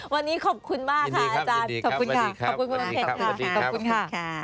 วันนี้ขอบคุณมากค่ะอาจารย์ขอบคุณค่ะ